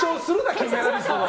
金メダリストを。